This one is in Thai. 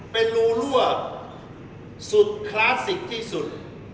เป็นรูรั่วสุดคลาสสิกที่สุด